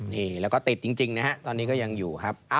นี่แล้วก็ติดจริงนะฮะตอนนี้ก็ยังอยู่ครับ